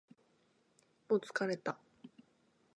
もう疲れた